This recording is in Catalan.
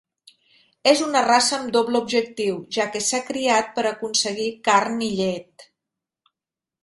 És una raça amb doble objectiu, ja que s'ha criat per aconseguir carn i llet.